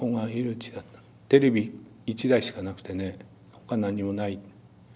テレビ１台しかなくてねほか何にもない。